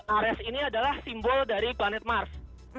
ares ini adalah simbol dari planet mars